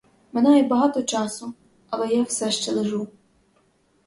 Минає багато часу, але я все ще лежу.